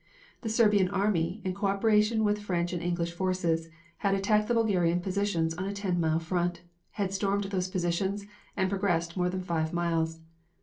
The Serbian army, in co operation with French and English forces, had attacked the Bulgarian positions on a ten mile front, had stormed those positions and progressed more than five miles.